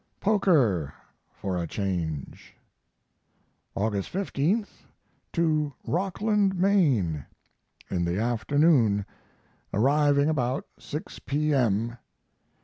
Poker, for a change. August 15th. To Rockland, Maine, in the afternoon, arriving about 6 P.M.